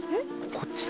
こっちだ。